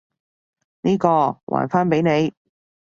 呢個，還返畀你！